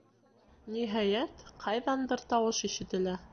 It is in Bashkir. Ниһайәт, ҡайҙандыр тауыш ишетелә.